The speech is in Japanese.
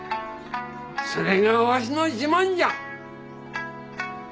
それがわしの自慢じゃ。